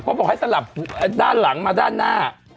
บอกให้สลับด้านหลังมาด้านหน้า